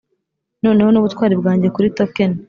noneho nubutwari bwanjye kuri token